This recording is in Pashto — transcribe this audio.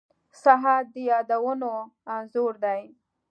• ساعت د یادونو انځور دی.